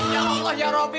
ya allah ya rabbi